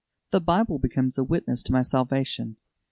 The Bible becomes a witness to my salvation.